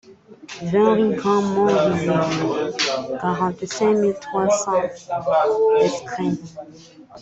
vingt rue Grant Montvilliers, quarante-cinq mille trois cents Escrennes